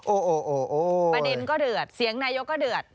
โอ้โหประเด็นก็เดือดเสียงนายกก็เดือด